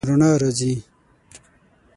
رڼا راځي